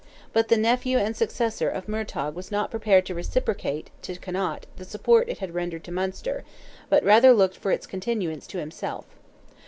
But the nephew and successor of Murtogh was not prepared to reciprocate to Connaught the support it had rendered to Munster, but rather looked for its continuance to himself.